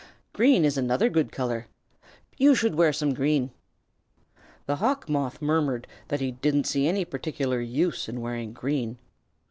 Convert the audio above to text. Green is another good color. You should wear some green." The Hawk Moth murmured that he didn't see any particular use in wearing green.